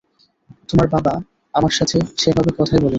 তোমার বাবা আমার সাথে সেভাবে কথাই বলেনি।